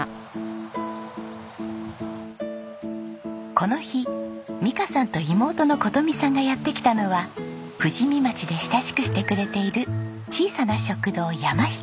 この日美香さんと妹の琴美さんがやって来たのは富士見町で親しくしてくれている小さな食堂山ひこ。